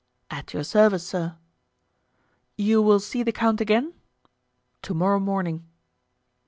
"At your service, sir." "You will see the count again?" "To morrow morning."